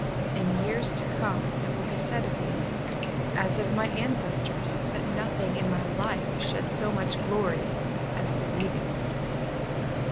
In years to come it will be said of me, As of my ancestors, that nothing in my life Shed so much glory as the leaving of it.